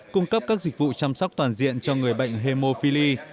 cung cấp các dịch vụ chăm sóc toàn diện cho người bệnh hemophili